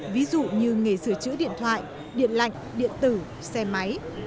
ví dụ như nghề sửa chữa điện thoại điện lạnh điện tử xe máy